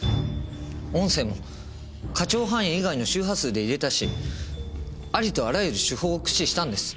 音声も可聴範囲以外の周波数で入れたしありとあらゆる手法を駆使したんです。